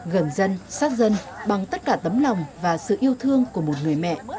gần dân sát dân bằng tất cả tấm lòng và sự yêu thương của một người mẹ